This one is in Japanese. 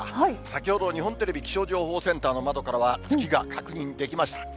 先ほど、日本テレビ気象情報センターの窓からは月が確認できました。